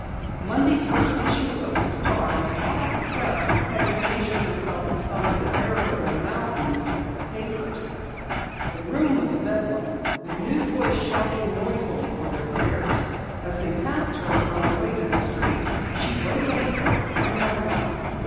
Monday's first issue of the Star was hot off the press when Penny stationed herself beside the veritable mountain of papers. The room was a bedlam, with newsboys shouting noisily for their wares. As they passed her on their way to the street, she waylaid them one by one.